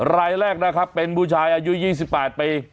รายแรกนะครับเป็นผู้ชายอายุ๒๘ปี